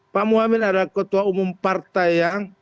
pak muhamin adalah ketua umum partai yang